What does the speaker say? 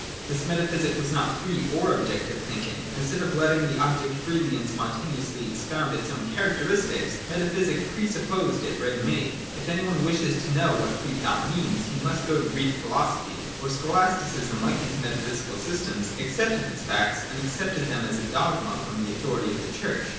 This metaphysic was not free or objective thinking. In stead of letting the object freely and spontaneously expound its own characteristics, metaphysic pre supposed it ready made. If any one wishes to know what free thought means, he must go to Greek philosophy : for Scholasticism, like these metaphysical systems, accepted its facts, and accepted them as a dogma from the authority of the Church.